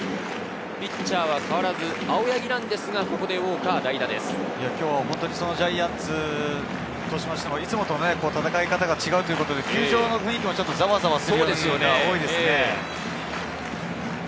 ピッチャーは変わらず青柳ですが、ジャイアンツとしては、いつもと戦い方が違うということで球場の雰囲気もざわざわするような感じが多いですね。